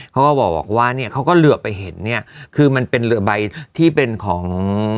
เค้าก็บอกว่าเค้าก็เหลือไปเห็นคือมันเป็นเหลือใบที่เป็นของ